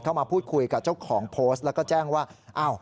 มาพูดคุยกับเจ้าของโพสต์แล้วก็แจ้งว่าอ้าว